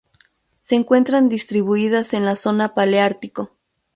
Se encuentran distribuidas en la zona Paleártico.